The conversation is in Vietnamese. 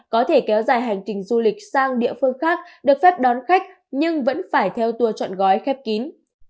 có thể kéo dài hành trình du lịch sang địa phương khác được phép đón khách nhưng vẫn phải theo tour chọn gói khép kín